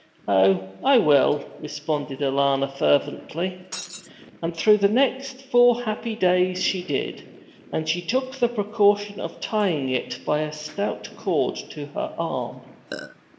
'Oh, I will!' responded Alanna fervently. And through the next four happy days she did, and took the precaution of tying it by a stout cord to her arm.